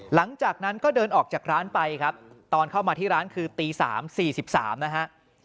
หลังจากนั้นก็เดินออกจากร้านไปครับตอนเข้ามาที่ร้านคือตี๓๔๓นะฮะ